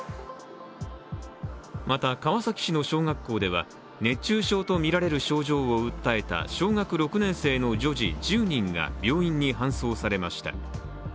また、川崎市の小学校では熱中症とみられる症状を訴えた小学６年生の女児１０人が病院に搬送されました。